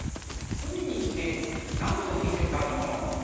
海に来て何を見せたいの？